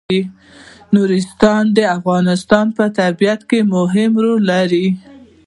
نورستان د افغانستان په طبیعت کې مهم رول لري.